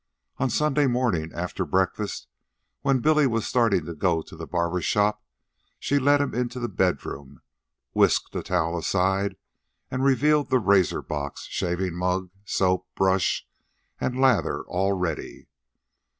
On Sunday morning, after breakfast, when Billy was starting to go to the barber shop, she led him into the bedroom, whisked a towel aside, and revealed the razor box, shaving mug, soap, brush, and lather all ready.